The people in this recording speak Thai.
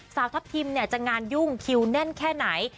สาวทัพทิมเนี่ยจะงานยุ่งคิวแน่นแค่ไหน